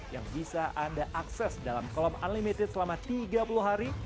yang bisa anda akses dalam kolom unlimited selama tiga puluh hari